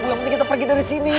belum penting kita pergi dari sini